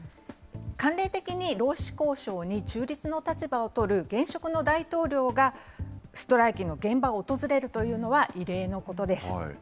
慣例的に労使交渉に中立の立場を取る現職の大統領がストライキの現場を訪れるというのは異例のことです。